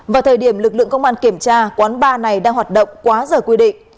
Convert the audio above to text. vào thời điểm lực lượng công an kiểm tra quán bar này đang hoạt động quá giờ quy định